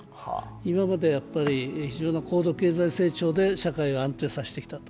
今まで非常な高度経済成長を社会を安定させてきたと。